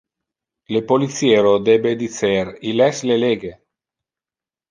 Le policiero debe dicer "il es le lege".